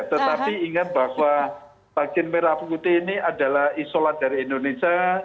tetapi ingat bahwa vaksin merah putih ini adalah isolat dari indonesia